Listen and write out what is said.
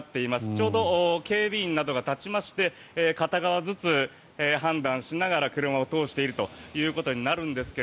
ちょうど警備員などが立ちまして片側ずつ判断しながら車を通しているということになるんですが